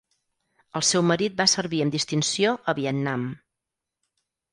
El seu marit va servir amb distinció a Vietnam.